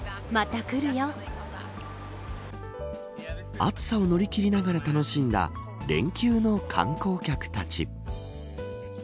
暑さを乗り切りながら楽しんだ連休の観光客たち。